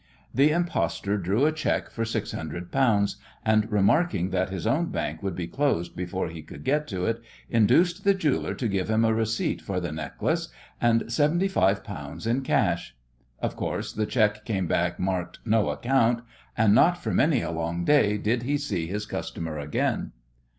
The impostor drew a cheque for six hundred pounds, and, remarking that his own bank would be closed before he could get to it, induced the jeweller to give him a receipt for the necklace and seventy five pounds in cash. Of course, the cheque came back marked "No account," and not for many a long day did he see his customer again.